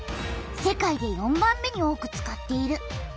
世界で４番目に多く使っている。